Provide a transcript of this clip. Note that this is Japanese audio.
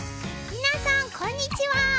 みなさんこんにちは。